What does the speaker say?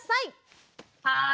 はい。